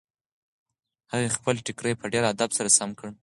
هغې خپل ټیکری په ډېر ادب سره سم کړ.